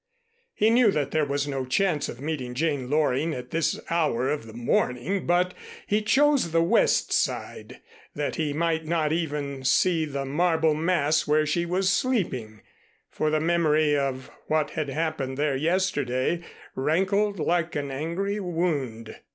He knew that there was no chance of meeting Jane Loring at this hour of the morning, but he chose the west side that he might not even see the marble mass where she was sleeping, for the memory of what had happened there yesterday rankled like an angry wound.